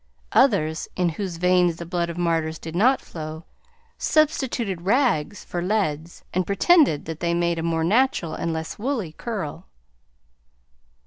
Others, in whose veins the blood of martyrs did not flow, substituted rags for leads and pretended that they made a more natural and less woolly curl.